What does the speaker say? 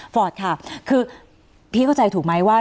ฟอร์ตค่ะคือพี่เข้าใจถูกไหมว่า